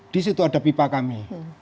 di situ ada pipa kami